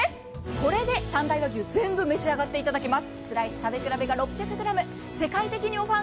これで三大和牛全部召し上がっていただけます。